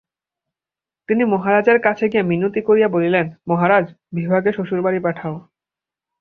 তিনি মহারাজের কাছে গিয়া মিনতি করিয়া বলিলেন, মহারাজ, বিভাকে শ্বশুরবাড়ি পাঠাও।